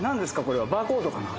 これはバーコードかな？